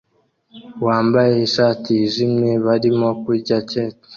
wambaye ishati yijimye barimo kurya keke